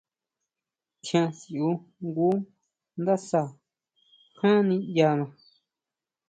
Tjian sʼíu jngu ndásja ján niʼyana.